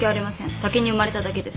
先に生まれただけです。